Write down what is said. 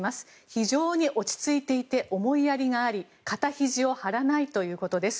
非常に落ち着いていて思いやりがあり肩ひじを張らないということです。